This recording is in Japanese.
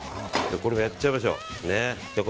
これも行っちゃいましょう。